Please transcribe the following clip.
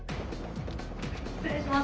失礼します。